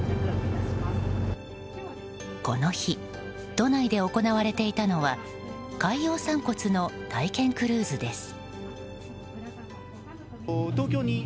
この日都内で行われていたのは海洋散骨の体験クルーズです。